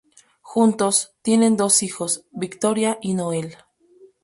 Juntos, tienen dos hijos, Victoria y Noel.